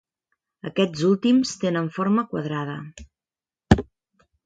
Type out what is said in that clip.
Aquests últims tenen forma quadrada.